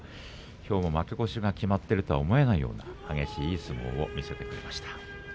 きょうも負け越しが決まっているとは思えない激しいいい相撲を見せました。